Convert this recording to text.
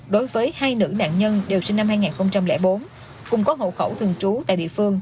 đối với hai nữ nạn nhân đều sinh năm hai nghìn bốn cùng có hậu khẩu thường trú tại địa phương